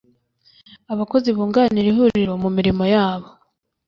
Abakozi bunganira Ihuriro mu mirimo yabo